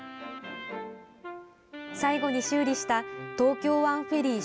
最後に修理した東京湾フェリー